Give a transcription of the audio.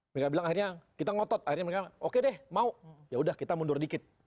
mereka bilang akhirnya kita ngotot akhirnya mereka oke deh mau ya udah kita mundur dikit